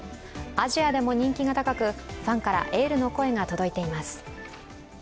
アジアでも人気が高く、ファンからエールの声が届いています。